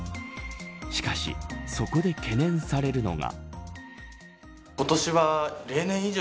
しかし、そこで懸念されるのが。